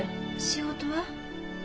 仕事は？